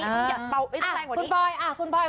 อย่าเบาไม่ต้องแรงกว่านี้